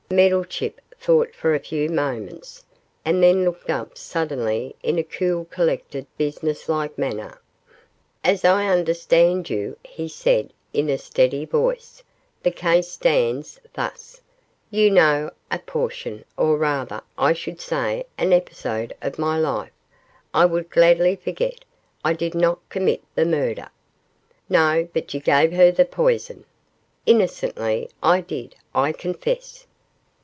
Meddlechip thought for a few moments, and then looked up suddenly in a cool, collected, business like manner. 'As I understand you,' he said, in a steady voice, 'the case stands thus: you know a portion, or rather, I should say, an episode of my life, I would gladly forget. I did not commit the murder.' 'No, but you gave her the poison.' 'Innocently I did, I confess.